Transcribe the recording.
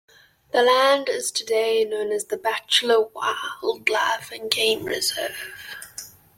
The land is today known as the Bachelor Wildlife and Game Reserve.